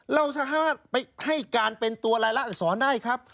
เราสามารถไปให้การเป็นตัวรายละอักษรได้ครับ